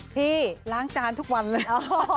พี่ล้างจานทุกวันเลย